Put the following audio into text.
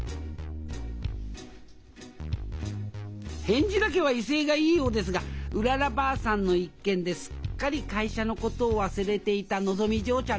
返事だけは威勢がいいようですがうららばあさんの一件ですっかり会社のことを忘れていたのぞみ嬢ちゃんでありました。